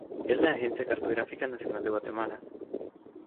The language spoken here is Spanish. Es la Agencia cartográfica nacional de Guatemala.